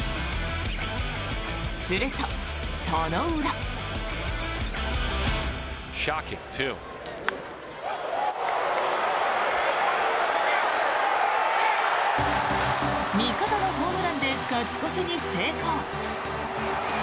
するとその裏。味方のホームランで勝ち越しに成功。